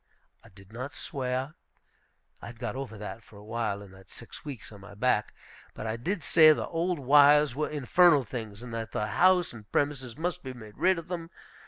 I did not swear. I had got over that for a while, in that six weeks on my back. But I did say the old wires were infernal things, and that the house and premises must be made rid of them.